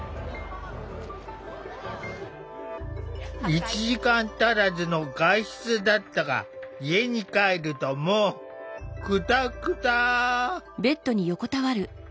１時間足らずの外出だったが家に帰るともうクタクタ。